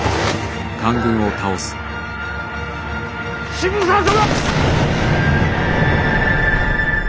渋沢様！